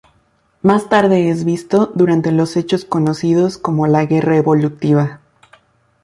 Más tarde es visto durante los hechos conocidos como la Guerra Evolutiva.